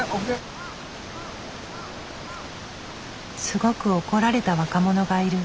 すごく怒られた若者がいる。